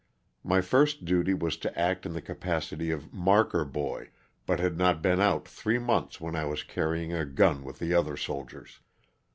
My first duty was to act in the capacity of "marker" boy, but had not been out three months when I was carrying a gun with the other soldiers.